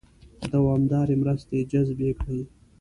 دوامدارې مرستې جذبې کړي.